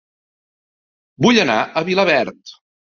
Vull anar a Vilaverd